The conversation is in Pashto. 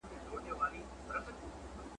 سپین ږیرو به ډاډ ورکاوه.